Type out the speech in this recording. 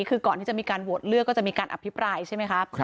คือก่อนที่จะมีการโหวตเลือกก็จะมีการอภิปรายใช่ไหมคะ